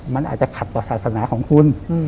มันอาจจะขัดต่อศาสนาของคุณ